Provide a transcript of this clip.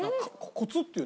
「コツ」って言う。